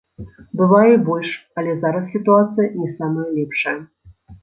Бывае і больш, але зараз сітуацыя не самая лепшая.